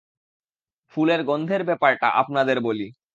ফুলের গন্ধের ব্যাপারটা আপনাদের বলি।